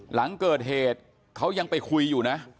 หลังเกิดเหตุเขายังไปคุยอยู่นะ